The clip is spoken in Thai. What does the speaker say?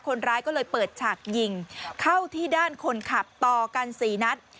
คนร้ายก็เลยเปิดฉากยิงเข้าที่ด้านคนขับต่อกัน๔นัด